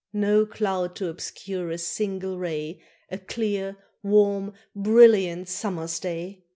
No cloud to obscure a single ray, A clear, warm, brilliant summer's day.